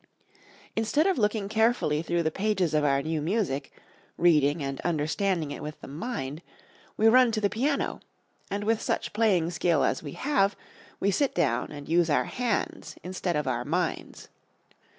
Instead of looking carefully through the pages of our new music, reading and understanding it with the mind, we run to the piano and with such playing skill as we have we sit down and use our hands instead of our minds.